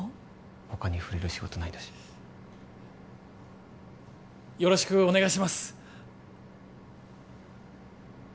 他にふれる仕事ないんだしよろしくお願いします